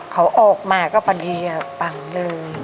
เขาออกมาก็ปันทีปังเลย